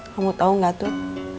kamu tau gak tuh